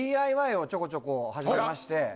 ＤＩＹをちょこちょこ始めまして。